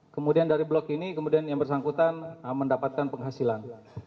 kemudian dari blok ini kemudian yang bersangkutan mendapatkan penghasilan